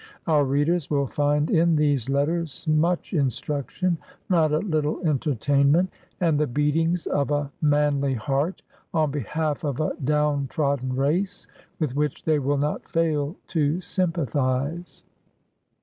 Our readers will find in these letters much instruction, not a little entertain ment, and the beatings of a. manly heart on behalf of a down trodden race, with which they will not fail to sympathise."